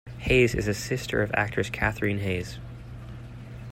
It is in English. Hayes is the sister of actress Katherine Hayes.